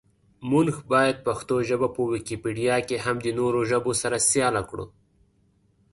مونږ باید پښتو ژبه په ویکیپېډیا کې هم د نورو ژبو سره سیاله کړو.